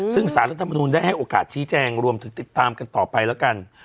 ซึ่งสารรัฐมนุนได้ให้โอกาสชี้แจงรวมถึงติดตามกันต่อไปแล้วกัน